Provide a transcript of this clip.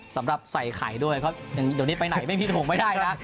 สำหรับใส่ไข่ด้วยเดี๋ยวไปไหนไม่มีถุงไว้ด้ายนะ